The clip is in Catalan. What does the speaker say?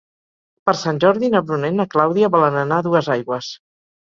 Per Sant Jordi na Bruna i na Clàudia volen anar a Duesaigües.